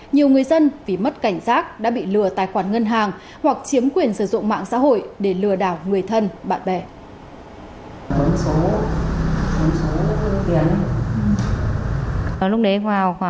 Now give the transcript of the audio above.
nhiều người dân vì mất cảnh sát đã bị lừa tài khoản ngân hàng hoặc chiếm quyền sử dụng mạng xã hội để lừa đảo